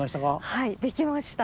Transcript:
はいできました。